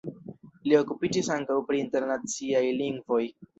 Li okupiĝis ankaŭ pri internaciaj lingvoj.